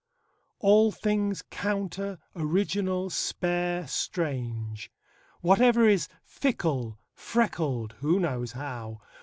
All things counter, original, spare, strange; Whatever is fickle, freckled (who knows how?)